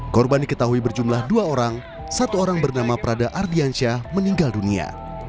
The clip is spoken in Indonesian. korban diketahui berjumlah dua orang satu orang bernama prada ardiansyah meninggal dunia